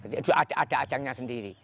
itu ada ajangnya sendiri